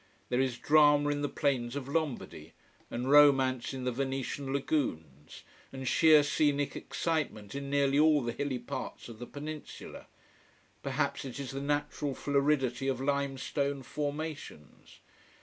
There is drama in the plains of Lombardy, and romance in the Venetian lagoons, and sheer scenic excitement in nearly all the hilly parts of the peninsula. Perhaps it is the natural floridity of lime stone formations.